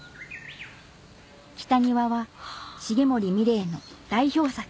北庭は重森三玲の代表作